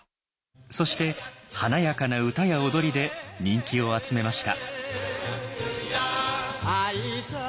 そして華やかな歌や踊りで人気を集めました。